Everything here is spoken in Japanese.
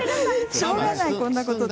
しょうがない、こんなことで。